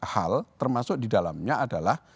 hal termasuk di dalamnya adalah